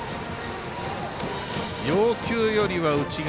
要求よりは内側。